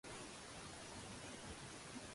那就去吧！